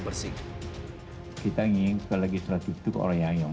bersih kita ingin legislatif orang yang